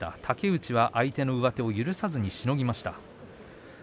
竹内は相手の上手を許さずにしのぎました。